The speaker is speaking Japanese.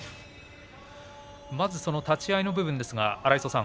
まずその立ち合いの部分ですが荒磯さん